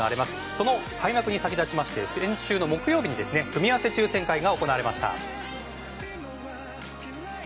その開幕に先立ちまして先週の木曜日に組み合わせ抽選会が行われました。